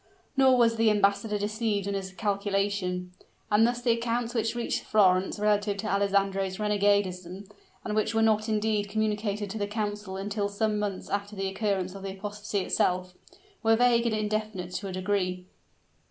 Nor was the embassador deceived in his calculation; and thus the accounts which reached Florence relative to Alessandro's renegadism and which were not indeed communicated to the council until some months after the occurrence of the apostasy itself were vague and indefinite to a degree.